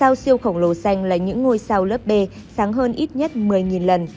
nhiệt độ xanh là những ngôi sao lớp b sáng hơn ít nhất một mươi lần